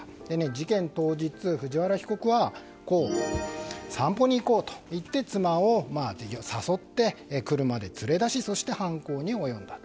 事件当日藤原被告は散歩に行こうといって妻を誘って車で連れ出しそして、犯行に及んだと。